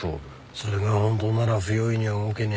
それが本当なら不用意には動けねえな。